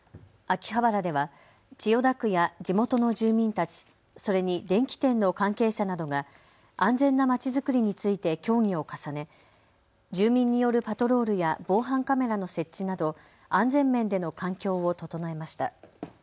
秋葉原では千代田区や地元の住民たち、それに電気店の関係者などが安全な街づくりについて協議を重ね住民によるパトロールや防犯カメラの設置など安全面での環境を整えました。